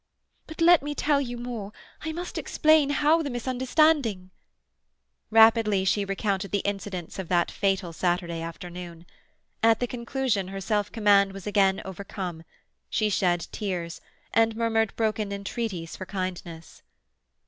"But let me tell you more. I must explain how the misunderstanding—" Rapidly she recounted the incidents of that fatal Saturday afternoon. At the conclusion her self command was again overcome; she shed tears, and murmured broken entreaties for kindness.